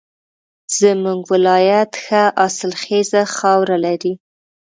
زمونږ ولایت ښه حاصلخیزه خاوره لري